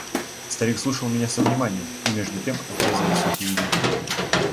Старик слушал меня со вниманием и между тем отрезывал сухие ветви.